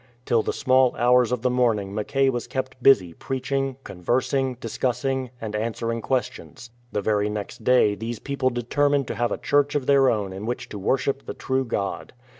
Till the small hours of the morn ing Mackay was kept busy preaching, conversing, discuss ing, and answering questions. The very next day these people determined to have a church of their own in which to worship the true God.